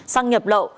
xăng nhập lậu